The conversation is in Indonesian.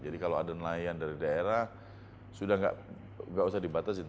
jadi kalau ada nelayan dari daerah sudah tidak usah dibatasin